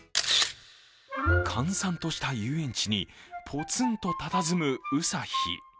閑散とした遊園地にポツンとたたずむウサヒ。